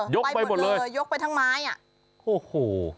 ยกไปหมดเลยยกไปทั้งไม้โอ้โฮ